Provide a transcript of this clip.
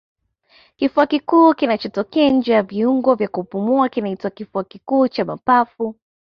Kifua kikuu kinachotokea nje ya viungo vya kupumua kinaitwa kifua kikuu cha mapafu